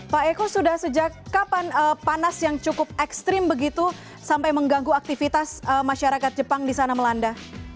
pak eko sudah sejak kapan panas yang cukup ekstrim begitu sampai mengganggu aktivitas masyarakat jepang di sana melanda